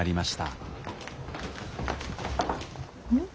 うん？